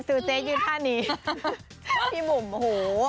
ซูเจ๊ยืนท่านีพี่หมุมโอ้โห